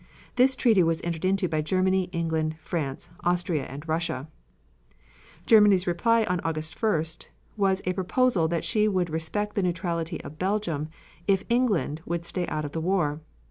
This treaty was entered into by Germany, England, France, Austria and Russia. Germany's reply on August 1st was a proposal that she would respect the neutrality of Belgium if England would stay out of the war.